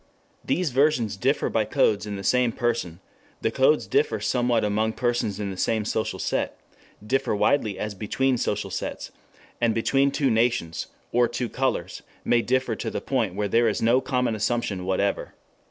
These versions differ by codes in the same person, the codes differ somewhat among persons in the same social set, differ widely as between social sets, and between two nations, or two colors, may differ to the point where there is no common assumption whatever.